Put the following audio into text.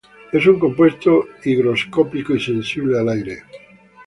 Es un compuesto higroscópico y sensible al aire.